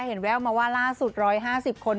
แววมาว่าล่าสุด๑๕๐คน